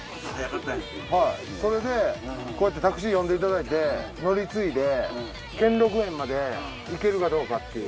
それでこうやってタクシー呼んでいただいて乗り継いで兼六園まで行けるかどうかっていう。